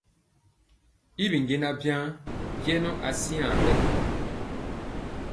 Y bi jɛɛnaŋ waŋ jɛŋɔ asiaŋ bɛ.